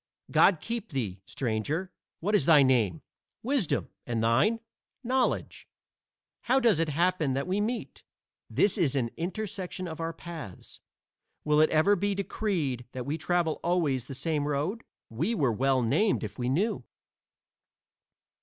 "God keep thee, stranger; what is thy name?" "Wisdom. And thine?" "Knowledge. How does it happen that we meet?" "This is an intersection of our paths." "Will it ever be decreed that we travel always the same road?" "We were well named if we knew."